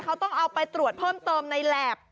เขาต้องเอาไปตรวจเพิ่มเติมในแหลบ